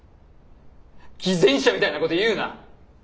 偽善者みたいなこと言うな。